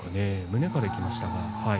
胸からいきましたか？